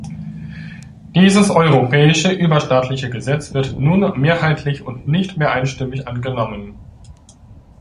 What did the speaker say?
Dieses europäische, überstaatliche Gesetz wird nun mehrheitlich und nicht mehr einstimmig angenommen.